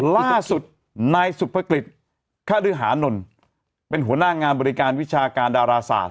ล่าสุดนายสุภกฤษคฤหานนท์เป็นหัวหน้างานบริการวิชาการดาราศาสต